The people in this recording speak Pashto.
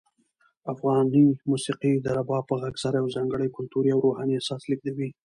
افغاني موسیقي د رباب په غږ سره یو ځانګړی کلتوري او روحاني احساس لېږدوي.